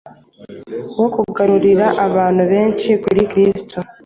wo kugarurira abantu benshi Kristo,